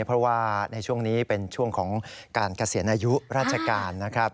เพราะว่าในช่วงนี้เป็นช่วงของการเกษียณอายุราชการนะครับ